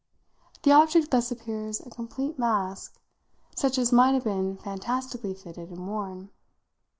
The object thus appears a complete mask, such as might have been fantastically fitted and worn.